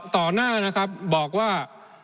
ต่อหน้านะครับบอกว่า